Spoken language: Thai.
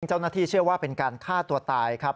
เจ้าหน้าที่เชื่อว่าเป็นการฆ่าตัวตายครับ